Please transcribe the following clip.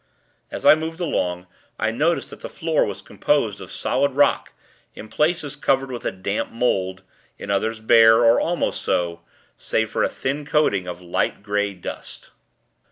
As I moved along, I noticed that the floor was composed of solid rock, in places covered with a damp mould, in others bare, or almost so, save for a thin coating of light grey dust.